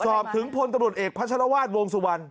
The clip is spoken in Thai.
สอบถึงพลตำรวจเอกพัชรวาสวงสุวรรณ